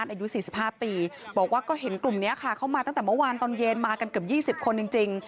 อายุ๔๕ปีบอกว่าก็เห็นกลุ่มนี้ค่ะเข้ามาตั้งแต่เมื่อวานตอนเย็นมากันเกือบ๒๐คนจริง